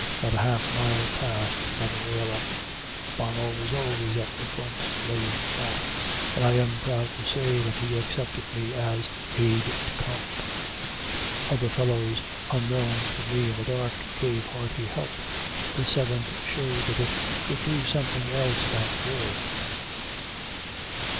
Not a half mile passed without a rail up. Bonnell was always at the front laying track, and I am proud to say that he accepted me as aide de camp. Other fellows, unknown to me in the dark, gave hearty help. The Seventh showed that it could do something else than drill.